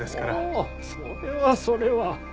おおそれはそれは。